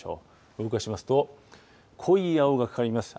動かしますと、濃い青がかかります。